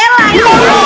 ya allah ya allah